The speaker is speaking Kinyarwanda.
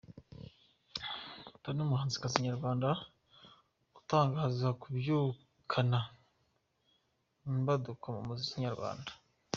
Tonny umuhanzikazi nyarwanda utangaza kubyukana imbaduko mu muziki nyarwanda.